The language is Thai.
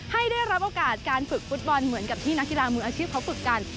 ให้ได้รับโอกาสการฝึกฟุตบอลเหมือนกับที่นักกีฬามืออาชีพเขาฝึกกัน